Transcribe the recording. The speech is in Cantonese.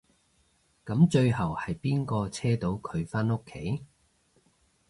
噉最後係邊個車到佢返屋企？